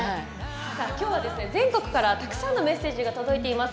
きょうは全国からたくさんのメッセージが届いています。